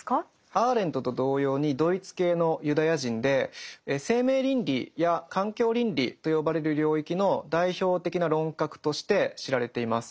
アーレントと同様にドイツ系のユダヤ人で生命倫理や環境倫理と呼ばれる領域の代表的な論客として知られています。